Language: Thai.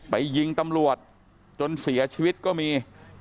ยิงตำรวจจนเสียชีวิตก็มี